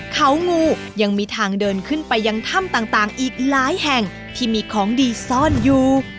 เขางูยังมีทางเดินขึ้นไปยังถ้ำต่างอีกหลายแห่งที่มีของดีซ่อนอยู่